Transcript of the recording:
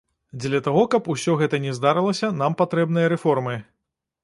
Дзеля таго, каб усё гэта не здарылася, нам патрэбныя рэформы.